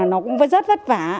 nó cũng rất vất vả